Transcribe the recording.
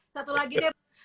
satu lagi deh